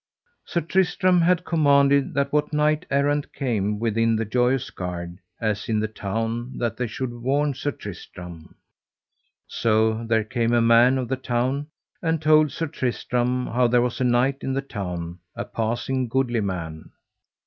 Sir Tristram had commanded that what knight errant came within the Joyous Gard, as in the town, that they should warn Sir Tristram. So there came a man of the town, and told Sir Tristram how there was a knight in the town, a passing goodly man.